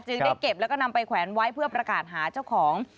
ได้เก็บแล้วก็นำไปแขวนไว้เพื่อประกาศหาเจ้าของ